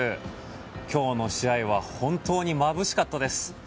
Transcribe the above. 今日の試合は本当にまぶしかったです。